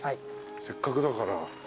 せっかくだから。